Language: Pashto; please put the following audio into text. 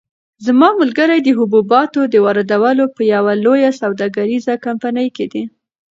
زما ملګری د حبوباتو د واردولو په یوه لویه سوداګریزه کمپنۍ کې دی.